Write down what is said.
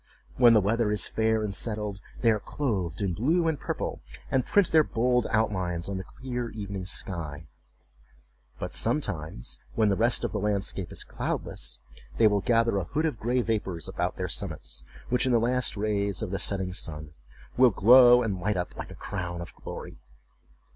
When the weather is fair and settled, they are clothed in blue and purple, and print their bold outlines on the clear evening sky, but, sometimes, when the rest of the landscape is cloudless, they will gather a hood of gray vapors about their summits, which, in the last rays of the setting sun, will glow and light up like a crown of glory.